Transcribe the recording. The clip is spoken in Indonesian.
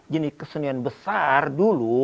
jenis kesenian besar dulu